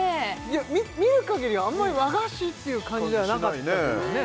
見るかぎりあまり和菓子っていう感じではなかったですね